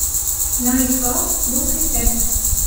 L'un est fort, l'autre est faible.